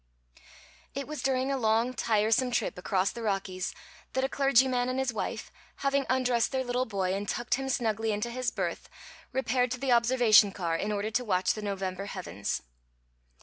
It was during a long, tiresome trip across the Rockies that a clergyman and his wife, having undressed their little boy and tucked him snugly into his berth, repaired to the observation car in order to watch the November heavens.